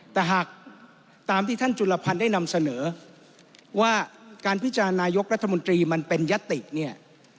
แต่หากตามที่ท่านจุลพันธ์ได้นำเสนอว่าการพิจารณายกรัฐมนตรีมันเป็นยติเนี่ย